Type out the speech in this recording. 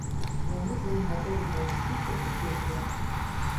Яны за ім гатовы пайсці хоць у пекла.